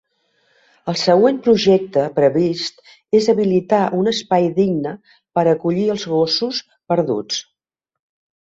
El següent projecte previst és habilitar un espai digne per acollir els gossos perduts.